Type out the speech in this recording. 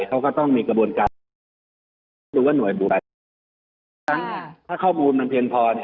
เขาก็ต้องมีกระบวนการดูว่าหน่วยบูรรณถ้าข้อมูลมันเพียงพอเนี่ย